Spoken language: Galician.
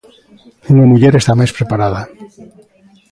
Unha muller está máis preparada.